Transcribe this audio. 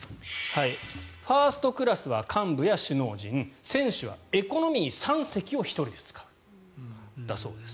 ファーストクラスは幹部や首脳陣選手はエコノミー３席を１人で使うんだそうです。